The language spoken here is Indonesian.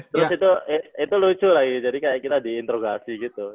terus itu lucu lagi jadi kayak kita diinterogasi gitu